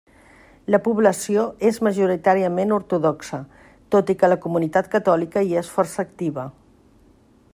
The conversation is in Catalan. La població és majoritàriament ortodoxa, tot i que la comunitat catòlica hi és força activa.